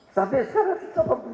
sampai sekarang delapan puluh satu tahun